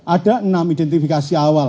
ada enam identifikasi awal